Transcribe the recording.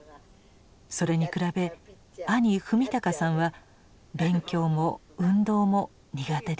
それに比べ兄史敬さんは勉強も運動も苦手でした。